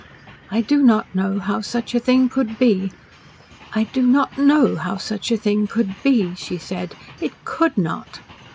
"I do not know how such a thing could be! I do not know how such a thing could be!" she said. "It COULD not."